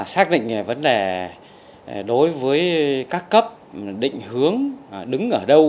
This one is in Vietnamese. xác định vấn đề đối với các cấp định hướng đứng ở đâu